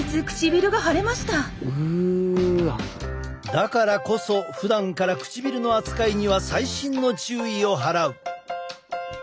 だからこそふだんから唇の扱いには細心の注意を払う。